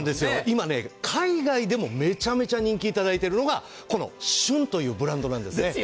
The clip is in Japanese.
今、海外でもめちゃめちゃ人気をいただいているのがこの旬というブランドなんですよね。